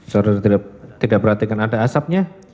saudara tidak perhatikan ada asapnya